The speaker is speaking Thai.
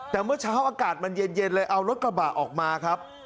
แต่เมื่อเช้าอากาศมันเย็นเลยเอารถกระบะออกมาครับ